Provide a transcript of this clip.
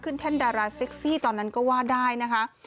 แท่นดาราเซ็กซี่ตอนนั้นก็ว่าได้นะคะ